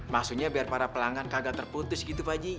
maksudnya biar para pelanggan kagak terputus gitu pak ji